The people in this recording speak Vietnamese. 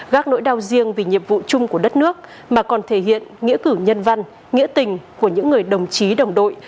gác nỗi đau riêng vì nhiệm vụ chung của đất nước mà còn thể hiện nghĩa cử nhân văn nghĩa tình của những người đồng chí đồng đội